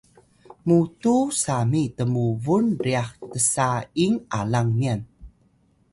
mutuw sami tmubun ryax tsa’ing alang myan